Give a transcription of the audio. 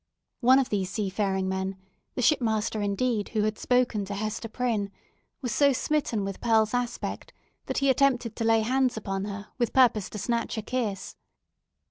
One of these seafaring men the shipmaster, indeed, who had spoken to Hester Prynne was so smitten with Pearl's aspect, that he attempted to lay hands upon her, with purpose to snatch a kiss.